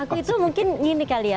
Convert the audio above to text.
aku itu mungkin gini kali ya